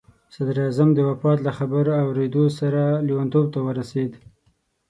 صدراعظم د وفات له خبر اورېدو سره لیونتوب ته ورسېد.